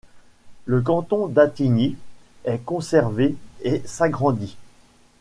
Le canton d'Attigny est conservé et s'agrandit.